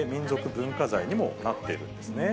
文化財にもなっているんですね。